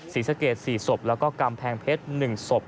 ศรีสะเกด๔ศพแล้วก็กำแพงเพชร๑ศพ